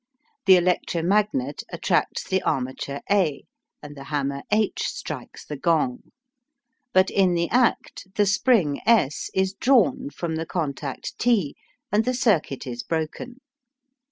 The electromagnet attracts the armature A, and the hammer H strikes the gong; but in the act the spring S is drawn from the contact T, and the circuit is broken.